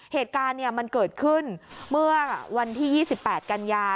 เหตุการณ์มันเกิดขึ้นเมื่อวันที่๒๘กันยา